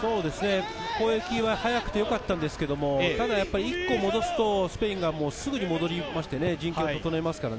攻撃は速くてよかったんですが、一個戻すとスペインがすぐに戻って、陣形を整えます。